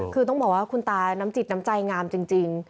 คือต้องบอกว่าคุณตาน้ำจิตน้ำใจงามจริง